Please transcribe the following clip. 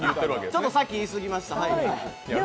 ちょっとさっき言い過ぎました。